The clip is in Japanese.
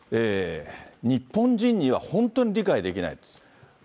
日本人には本当に理解できないです。